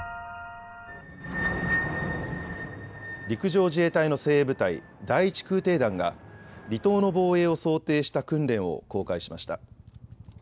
陸上自衛隊の精鋭部隊、第１空挺団が離島の防衛を想定した訓練を公開しました。